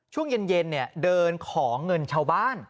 ช่วงเย็นเดินขอเงินชาวบ้าน